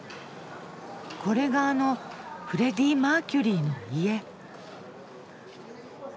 これがあのフレディ・マーキュリーの家。